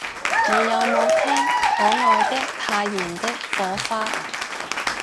你有無聽可愛的太妍的火花